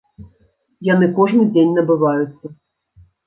Яны кожны дзень набываюцца.